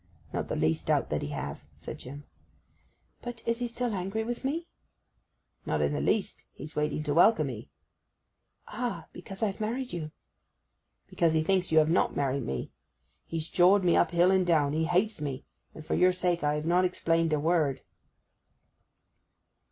'Not the least doubt that he have,' said Jim. 'But is he still angry with me?' 'Not in the least. He's waiting to welcome 'ee.' 'Ah! because I've married you.' 'Because he thinks you have not married me! He's jawed me up hill and down. He hates me; and for your sake I have not explained a word.